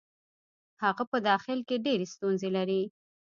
هغه په داخل کې ډېرې ستونزې لري.